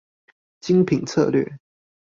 精品策略